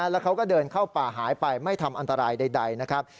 แล้วเขาก็เดินเข้าป่าหายไปไม่ทำอันตรายใดนะครับ